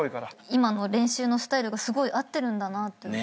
今の練習のスタイルがすごい合ってるんだなと。